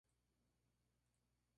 Al principio del manga.